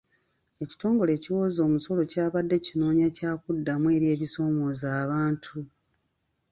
Ekitongole ekiwooza omusolo kyabadde kinoonya kyakuddamu eri ebisoomooza abantu.